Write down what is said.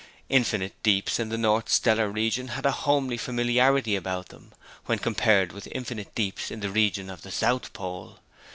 Infinite deeps in the north stellar region had a homely familiarity about them, when compared with infinite deeps in the region of the south pole.